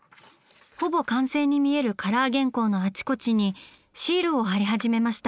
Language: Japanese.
ほぼ完成に見えるカラー原稿のあちこちにシールを貼り始めました！